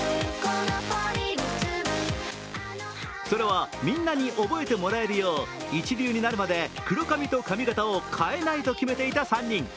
それは、みんなに覚えてもらえるよう、一流になるまで黒髪と髪形を変えないと決めていた３人。